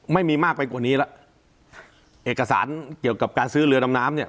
ไม่มีมากไปกว่านี้แล้วเอกสารเกี่ยวกับการซื้อเรือดำน้ำเนี่ย